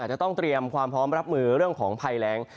จะต้องเตรียมความพร้อมรับมือเรื่องของภัยแรง